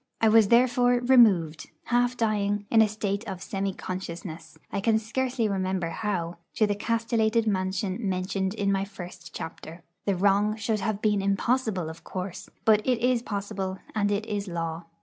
I was therefore 'removed,' half dying, in a state of semi consciousness, I can scarcely remember how, to the castellated mansion mentioned in my first chapter. The wrong should have been impossible, of course; but it is possible, and it is law.